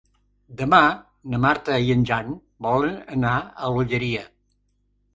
Demà na Marta i en Jan volen anar a l'Olleria.